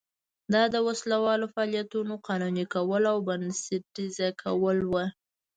دا د وسله والو فعالیتونو قانوني کول او بنسټیزه کول و.